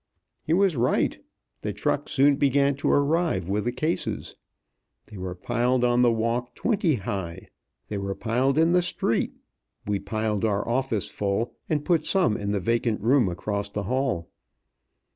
He was right. The trucks soon began to arrive with the cases. They were piled on the walk twenty high, they were piled in the street, we piled our office full, and put some in the vacant room across the hall.